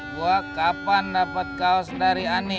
gua kapan dapat kaos dari ani